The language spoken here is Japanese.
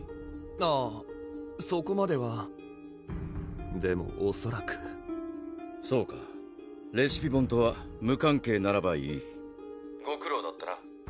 あぁそこまではそうかレシピボンとは無関係ならばいい「ご苦労だったな」